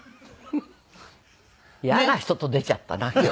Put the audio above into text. イヤな人と出ちゃったな今日。